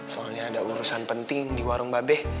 soalnya ada urusan penting di warung babeh